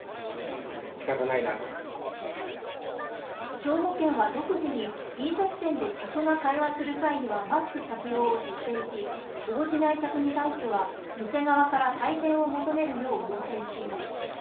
兵庫県は独自に飲食店で客が会話する際にはマスク着用を徹底し、応じない客に対しては店側から退店を求めるよう要請しています。